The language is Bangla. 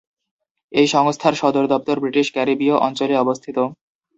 এই সংস্থার সদর দপ্তর ব্রিটিশ ক্যারিবীয় অঞ্চলে অবস্থিত।